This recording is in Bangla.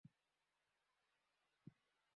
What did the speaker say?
এখানেই তো খেলা যাবে।